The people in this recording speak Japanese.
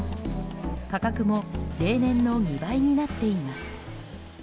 価格も例年の２倍になっています。